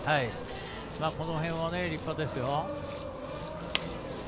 この辺は立派ですよ。